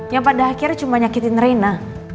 yang pada akhirnya cuma nyakitin rina